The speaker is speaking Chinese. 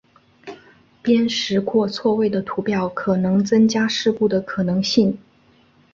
过时或错位的图表可能增加事故的可能性。